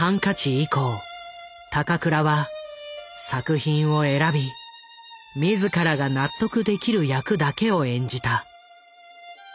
以降高倉は作品を選び自らが納得できる役だけを演じた。